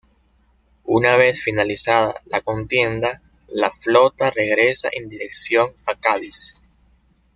Una vez finalizada la contienda, la flota regresa en dirección a Cádiz.